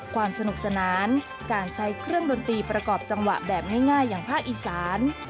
ความสนุกสนานการใช้เครื่องดนตรีประกอบจังหวะแบบง่ายอย่างภาคอีสาน